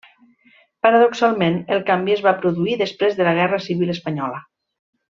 Paradoxalment el canvi es va produir després de la Guerra Civil Espanyola.